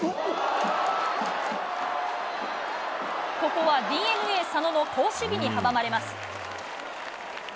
ここはＤｅＮＡ、佐野の好守備に阻まれます。